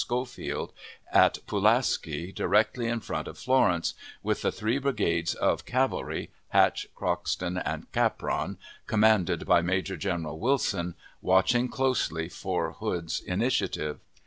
Schofield, at Pulaski, directly in front of Florence, with the three brigades of cavalry (Hatch, Croxton, and Capron), commanded by Major General Wilson, watching closely for Hood's initiative.